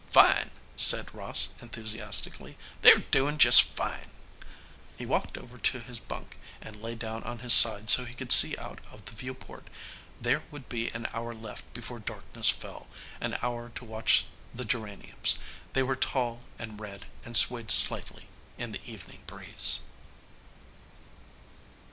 "Fine," said Ross enthusiastically. "They're doing just fine." He walked over to his bunk and lay down on his side so he could see out of the viewport. There would be an hour left before darkness fell, an hour to watch the geraniums. They were tall and red, and swayed slightly in the evening breeze.